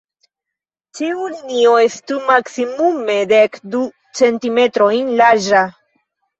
Ĉiu linio estu maksimume dek du centimetrojn larĝa.